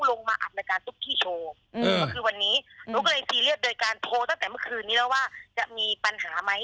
ตั้งแต่เมื่อคืนนี้แล้วว่าจะมีปัญหามั้ย